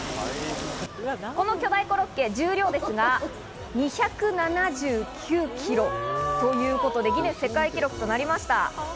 この巨大コロッケ重量ですが、２７９キロ。ということで、ギネス世界記録となりました。